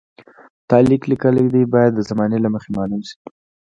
تا لیک لیکلی دی باید د زمانې له مخې معلوم شي.